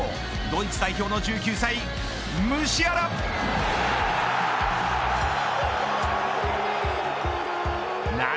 ドイツ代表の１９歳、ムシアラ。